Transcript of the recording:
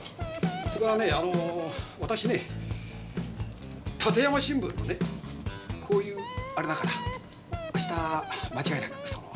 それからねあの私ね立山新聞のねこういうあれだから明日間違いなくその。